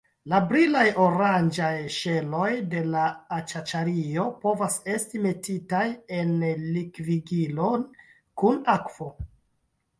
La brilaj oranĝaj ŝeloj de la aĉaĉario povas esti metitaj en likvigilon kun akvo.